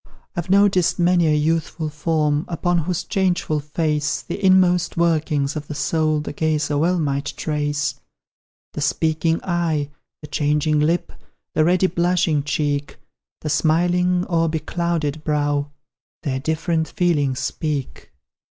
I've noticed many a youthful form, Upon whose changeful face The inmost workings of the soul The gazer well might trace; The speaking eye, the changing lip, The ready blushing cheek, The smiling, or beclouded brow, Their different feelings speak.